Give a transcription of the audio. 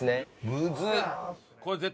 むずっ！